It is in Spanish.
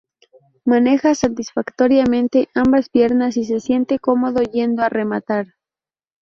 Maneja satisfactoriamente ambas piernas y se siente cómodo yendo a rematar.